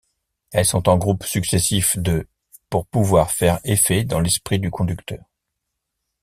Elles sont en groupes successifs de pour pouvoir faire effet dans l’esprit du conducteur.